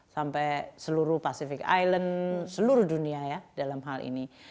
sampai seluruh pacific island seluruh dunia ya dalam hal ini